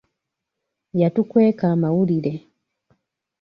Yatukweeka amawulire.